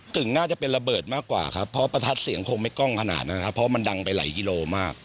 น่าจะเป็นระเบิดมากกว่าครับเพราะประทัดเสียงคงไม่กล้องขนาดนั้นครับเพราะมันดังไปหลายกิโลมาก